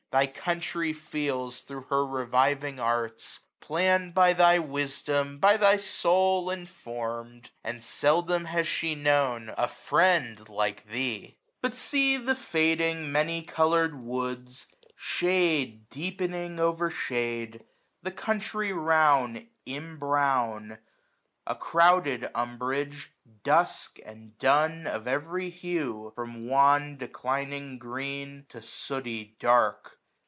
Thy country feels thro* her reviving arts, 945 Planned by thy wisdom, by thy soul informed ; And seldom has she known a friend like thee. But see the fading many colour'd woods. Shade deepening oyer shade, the country rouud AUTUMN. 157 Imbrown; a crowded umbrage, dusk, and dun, 950 Of every hue, from wan declining green To sooty dark.